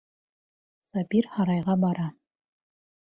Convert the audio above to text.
Сабир һарайға бара.